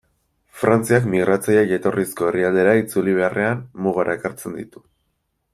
Frantziak migratzaileak jatorrizko herrialdera itzuli beharrean, mugara ekartzen ditu.